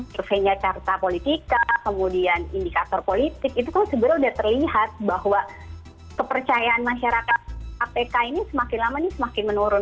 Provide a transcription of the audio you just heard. surveinya carta politika kemudian indikator politik itu kan sebenarnya sudah terlihat bahwa kepercayaan masyarakat kpk ini semakin lama ini semakin menurun